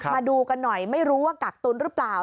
มาดูกันหน่อยไม่รู้ว่ากักตุ้นหรือเปล่า